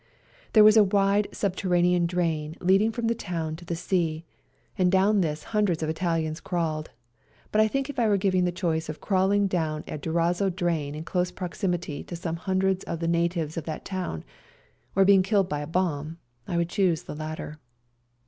There was a wide subterranean drain leading from the town to the sea, and down 190 SERBIAN CHRISTMAS DAY this hundreds of Itahans crawled, but I think if I were given the choice of crawHng down a Durazzo drain in close proximity to some hundreds of the natives of that town or being killed by a bomb I would choose the latter.